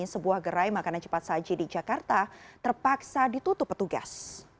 sebuah gerai makanan cepat saji di jakarta terpaksa ditutup petugas